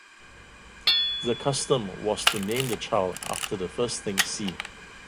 The custom was to name the child after the first thing seen.